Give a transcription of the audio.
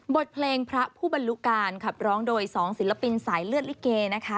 บทเพลงพระผู้บรรลุการขับร้องโดย๒ศิลปินสายเลือดลิเกนะคะ